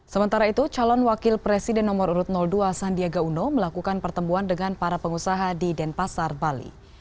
sementara itu calon wakil presiden nomor urut dua sandiaga uno melakukan pertemuan dengan para pengusaha di denpasar bali